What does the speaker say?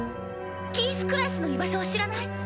キース・クラエスの居場所を知らない？